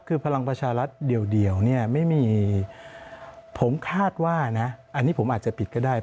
คือพลังประชารัฐเดียวเนี่ยไม่มีผมคาดว่านะอันนี้ผมอาจจะผิดก็ได้